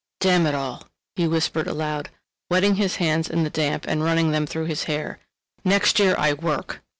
"Damn it all," he whispered aloud, wetting his hands in the damp and running them through his hair. "Next year I work!"